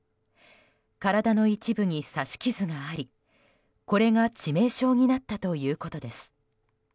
体の一部に刺し傷がありこれが致命傷になったということです。